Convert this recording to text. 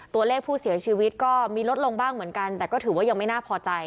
ตัวเลขผู้เสียชีวิตก็มีลดลงบ้างเหมือนกันแต่ก็ถือว่ายังไม่น่าพอใจ